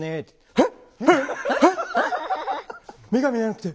えっ」